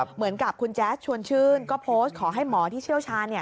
เหมือนกับคุณแจ๊สชวนชื่นก็โพสต์ขอให้หมอที่เชี่ยวชาญ